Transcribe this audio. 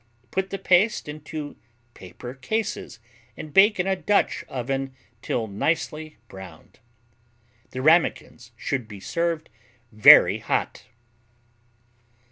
Put the paste into paper cases, and bake in a Dutch oven till nicely browned. The Ramekins should be served very hot.